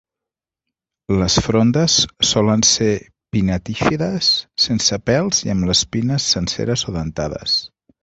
Les frondes solen ser pinnatífides sense pèls i amb les pinnes senceres o dentades.